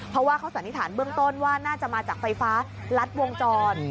เพราะว่าเขาสันนิษฐานเบื้องต้นว่าน่าจะมาจากไฟฟ้ารัดวงจร